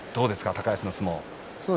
高安の相撲は。